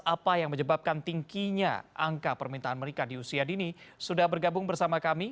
apa yang menyebabkan tingginya angka permintaan mereka di usia dini sudah bergabung bersama kami